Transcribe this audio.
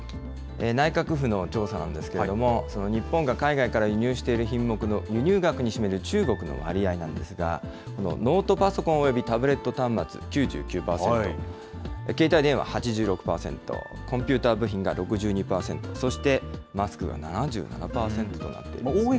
内閣府の調査なんですけれども、日本が海外から輸入している品目の輸入額に占める中国の割合なんですが、ノートパソコンおよびタブレット端末９９％、携帯電話８６％、コンピューター部品が６２％、そしてマスクが７７％となっています